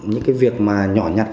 những cái việc mà nhỏ nhặt